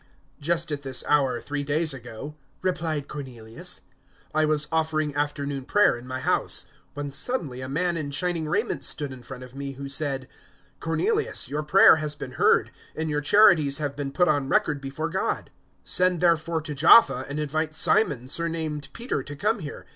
010:030 "Just at this hour, three days ago," replied Cornelius, "I was offering afternoon prayer in my house, when suddenly a man in shining raiment stood in front of me, 010:031 who said, "`Cornelius, your prayer has been heard, and your charities have been put on record before God. 010:032 Send therefore to Jaffa, and invite Simon, surnamed Peter, to come here.